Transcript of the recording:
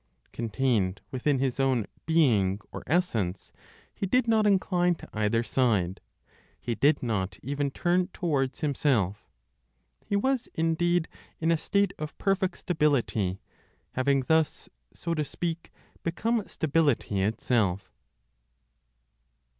Contained within his own "being," (or, essence), he did not incline to either side, he did not even turn towards himself, he was indeed in a state of perfect stability, having thus, so to speak, become stability itself.